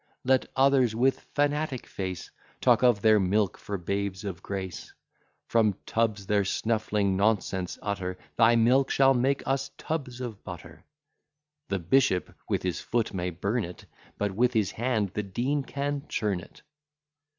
Let others with fanatic face Talk of their milk for babes of grace; From tubs their snuffling nonsense utter; Thy milk shall make us tubs of butter. The bishop with his foot may burn it, But with his hand the Dean can churn it.